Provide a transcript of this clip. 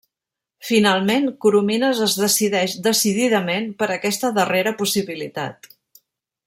Finalment, Coromines es decideix decididament per aquesta darrera possibilitat.